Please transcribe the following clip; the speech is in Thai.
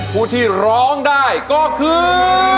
ผู้ที่ร้องได้ก็คือ